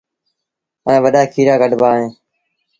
ائيٚݩ وڏآ کيريآ ڪڍيآ وهيݩ دآ